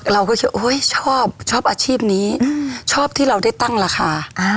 เราก็จะชอบชอบอาชีพนี้ชอบที่เราได้ตั้งราคา